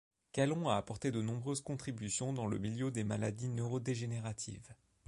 Calon a apporté de nombreuses contributions dans le milieu des maladies neurodégénératives.